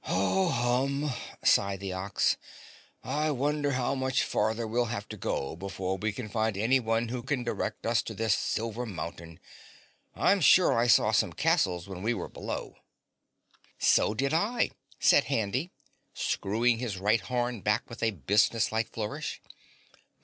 "Ho hum," sighed the Ox, "I wonder how much farther we'll have to go before we can find anyone who can direct us to this Silver Mountain? I'm sure I saw some castles when we were below." "So did I," said Handy, screwing his right horn back with a businesslike flourish.